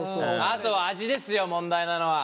あとは味ですよ問題なのは。